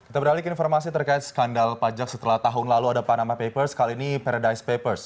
kita beralih ke informasi terkait skandal pajak setelah tahun lalu ada panama papers kali ini paradise papers